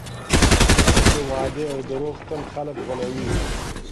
تشې وعدې او دروغ تل خلګ غولوي.